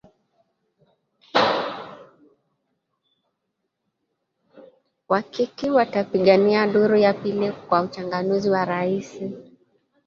waki ki ki watapigania duru ya pili kwa uchaguzi wa rais